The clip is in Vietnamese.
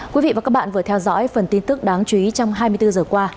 quý vị và các bạn vừa theo dõi phần tin tức đáng chú ý trong hai mươi bốn giờ qua